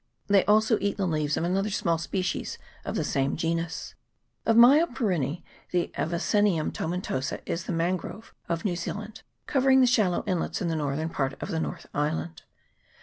They also eat the leaves of another small species of the same genus. Of Myoporinece, the Avicennia tomentosa is the Man grove of New Zealand, covering the shallow inlets in the northern part of the North Island.